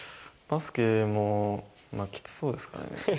バスケも、きつそうですかね。